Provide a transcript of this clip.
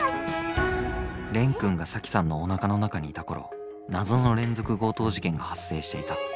蓮くんが沙樹さんのおなかの中にいた頃謎の連続強盗事件が発生していた。